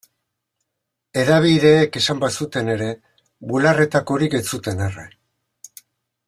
Hedabideek esan bazuten ere, bularretakorik ez zuten erre.